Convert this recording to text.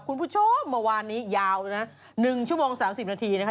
คุณผู้ชมเมื่อวานนี้ยาวเลยนะ๑ชั่วโมง๓๐นาทีนะคะ